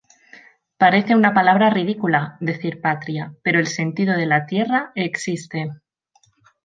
Parece una palabra ridícula, decir patria, pero el sentido de la tierra, existe.